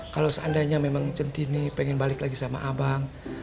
kalau seandainya memang centini pengen balik lagi sama abang